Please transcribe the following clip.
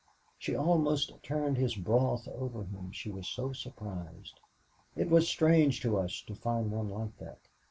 She almost turned his broth over him she was so surprised. It was strange to us to find one like that.